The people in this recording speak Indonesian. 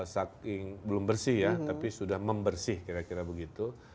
saking belum bersih ya tapi sudah membersih kira kira begitu